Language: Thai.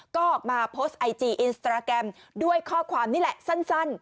ก็ออกมาโพสต์ไอจีอินสตราแกรมด้วยข้อความนี่แหละสั้น